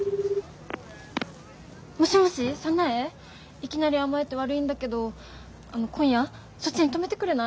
いきなり甘えて悪いんだけど今夜そっちに泊めてくれない？